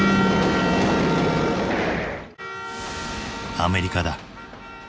アメリカだ。